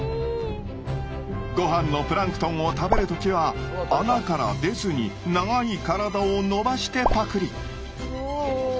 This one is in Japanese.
ごはんのプランクトンを食べるときは穴から出ずに長い体を伸ばしてパクリ。